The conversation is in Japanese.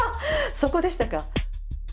そこでしたか。